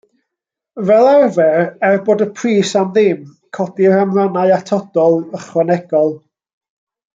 Fel arfer, er bod y pris am ddim, codir am rannau atodol, ychwanegol.